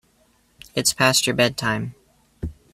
It's past your bedtime.